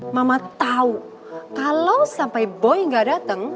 mama tau kalo sampe boy ga dateng